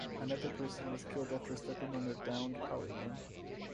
Another person was killed after stepping on a downed power line.